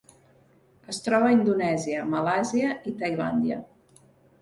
Es troba a Indonèsia, Malàisia i Tailàndia.